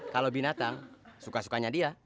kalau binatang suka sukanya dia